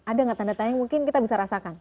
ada gak tanda tanda yang mungkin kita bisa rasakan